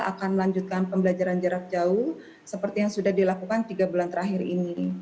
akan melanjutkan pembelajaran jarak jauh seperti yang sudah dilakukan tiga bulan terakhir ini